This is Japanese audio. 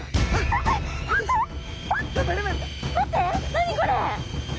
何これ？